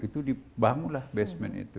itu dibangun lah basement itu